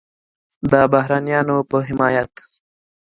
د بهرنیانو په حمایت